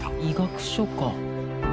医学書か。